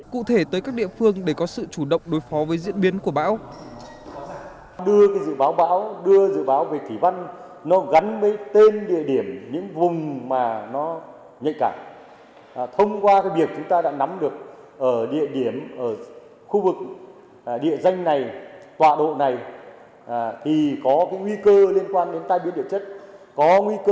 cụ thể tới các địa phương để có sự chủ động đối phó với diễn biến của bão